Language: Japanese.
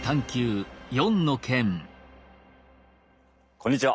こんにちは。